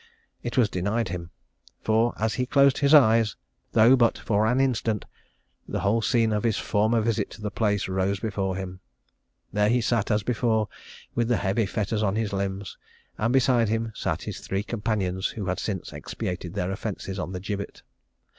It was denied him, for as he closed his eyes though but for an instant the whole scene of his former visit to the place rose before him. There he sat as before, with the heavy fetters on his limbs, and beside him sat his three companions who had since expiated their offences on the gibbet.